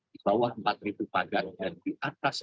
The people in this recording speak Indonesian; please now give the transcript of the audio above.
di bawah empat pagang dan di atas empat